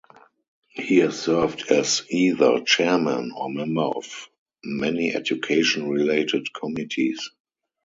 He has served as either chairman or member of many education-related committees.